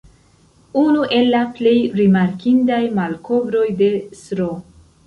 Unu el la plej rimarkindaj malkovroj de Sro.